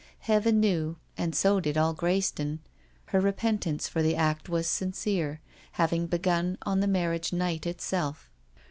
Heaven knew, and so did all Greyston, her repentance for the act was sincere, having begun on the marriage night itself.